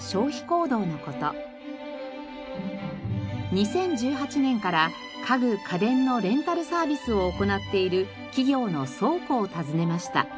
２０１８年から家具・家電のレンタルサービスを行っている企業の倉庫を訪ねました。